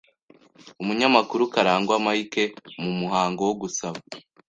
Umunyamakuru Karangwa Mike mu muhango wo gusaba